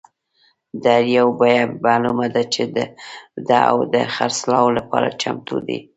د هر یو بیه معلومه ده او د خرڅلاو لپاره چمتو دي.